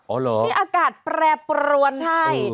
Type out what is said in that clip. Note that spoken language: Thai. อ๋อเหรออ๋อเหรอที่อากาศแปรปรวนให้